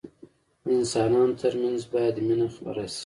د انسانانو ترمنځ باید مينه خپره سي.